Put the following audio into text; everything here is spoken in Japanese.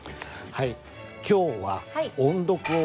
はい。